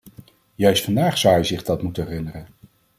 Juist vandaag zou hij zich dat moeten herinneren.